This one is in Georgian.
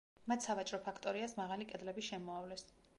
მათ სავაჭრო ფაქტორიას მაღალი კედლები შემოავლეს.